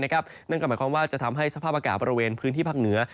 นั่นก็หมายความว่าจะทำให้สภาพอากาศบริเวณพื้นที่ภาคเหนือ